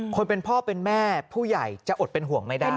คนเป็นพ่อเป็นแม่ผู้ใหญ่จะอดเป็นห่วงไม่ได้